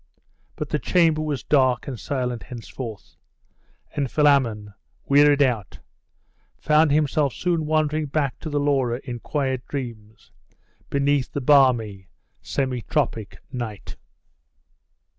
But the chamber was dark and silent henceforth; and Philammon, wearied out, found himself soon wandering back to the Laura in quiet dreams, beneath the balmy, semi tropic night.